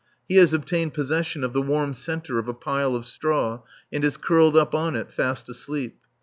He has obtained possession of the warm centre of a pile of straw and is curled up on it fast asleep.